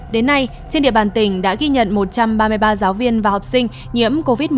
đến nay trên địa bàn tỉnh đã ghi nhận một trăm ba mươi ba giáo viên và học sinh nhiễm covid một mươi chín